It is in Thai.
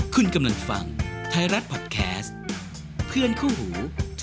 คุณกำลังฟังไทยรัฐพอดแคสต์เพื่อนคู่หู